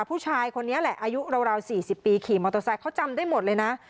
ผู้ชายคนนี้แหละอายุราว๔๐ปีขี่มอเตอร์ไซค์เขาจำได้หมดเลยนะ